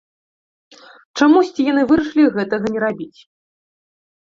Чамусьці яны вырашылі гэтага не рабіць.